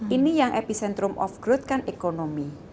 ini yang epicentrum of growth kan ekonomi